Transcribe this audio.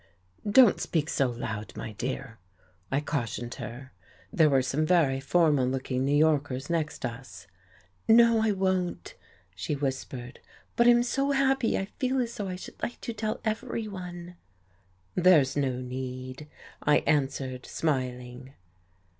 "Don't speak so loud, my dear," I cautioned her. There were some very formal looking New Yorkers next us. "No, I won't," she whispered. "But I'm so happy I feel as though I should like to tell everyone." "There's no need," I answered smiling.